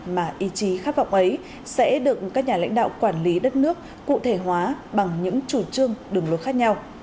mà ý chí khát vọng ấy sẽ được các nhà lãnh đạo quản lý đất nước cụ thể hóa bằng những chủ trương đường lối khác nhau